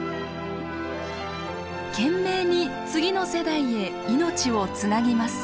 懸命に次の世代へ命をつなぎます。